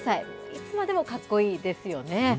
いつまでもかっこいいですよね。